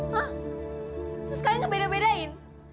terus kalian ngebeda bedain